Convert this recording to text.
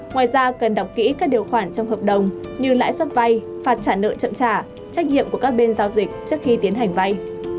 ngoài ra cần đọc kỹ các điều khoản trong hợp đồng như lãi suất vay phạt trả nợ chậm trả trách nhiệm của các bên giao dịch trước khi tiến hành vay